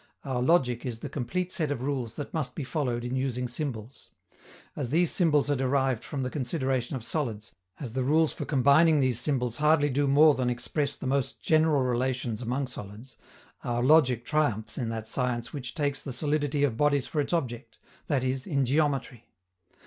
Our logic is the complete set of rules that must be followed in using symbols. As these symbols are derived from the consideration of solids, as the rules for combining these symbols hardly do more than express the most general relations among solids, our logic triumphs in that science which takes the solidity of bodies for its object, that is, in geometry.